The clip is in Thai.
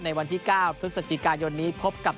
วันที่๙พฤศจิกายนนี้พบกับ